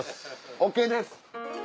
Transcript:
ＯＫです。